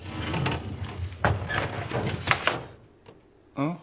うん？